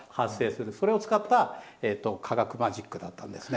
それを使った科学マジックだったんですね。